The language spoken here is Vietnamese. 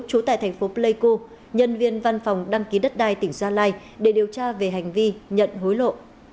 chú tại tp pleiku nhân viên văn phòng đăng ký đất đai tỉnh gia lai để điều tra về hành vi nhận hối lộ